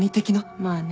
まあね。